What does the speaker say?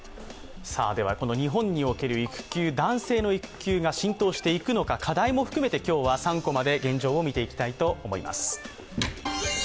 日本における男性の育休が浸透していくのか課題も含めて今日は３コマで現状を見ていきたいと思います。